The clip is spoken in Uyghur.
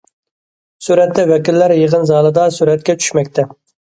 سۈرەتتە ۋەكىللەر يىغىن زالىدا سۈرەتكە چۈشمەكتە.